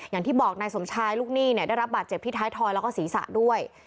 อย่างที่บอกนายสมชายลูกหนี้เนี่ยได้รับบาดเจ็บที่ท้ายทอยแล้วก็ศีรษะด้วย